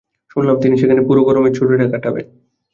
শুনলাম, তিনি সেখানে পুরো গরমের ছুটিটা কাটাবেন।